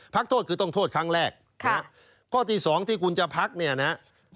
พักโทษคือต้องโทษครั้งแรกข้อที่สองที่คุณจะพักเนี่ยนะครับ